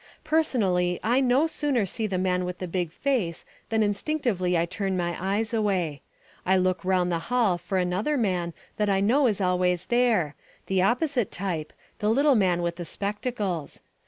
Personally, I no sooner see the man with the big face than instinctively I turn my eyes away. I look round the hall for another man that I know is always there, the opposite type, the little man with the spectacles.